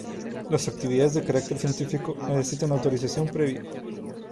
Las actividades de carácter científico necesitan autorización previa.